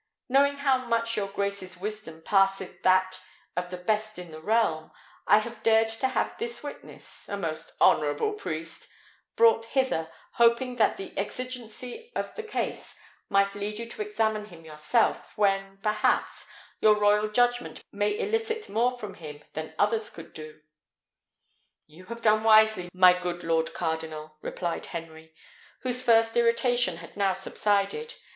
Knowing how much your grace's wisdom passeth that of the best in the realm, I have dared to have this witness (a most honourable priest) brought hither, hoping that the exigency of the case might lead you to examine him yourself, when, perhaps, your royal judgment may elicit more from him than others could do." "You have done wisely, my good lord cardinal," replied Henry, whose first irritation had now subsided.